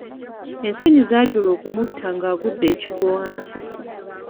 Ensonyi zaajula okumutta ng'agudde ekigwo wansi.